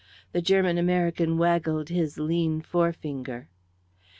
The German American waggled his lean forefinger.